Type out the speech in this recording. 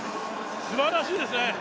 すばらしいですね。